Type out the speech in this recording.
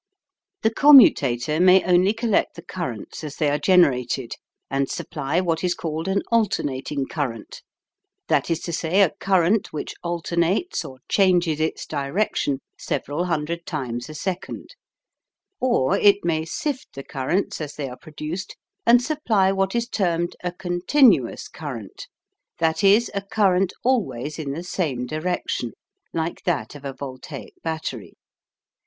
The commutator may only collect the currents as they are generated, and supply what is called an alternating current, that is to say, a current which alternates or changes its direction several hundred times a second, or it may sift the currents as they are produced and supply what is termed a continuous current, that is, a current always in the same direction, like that of a voltaic battery.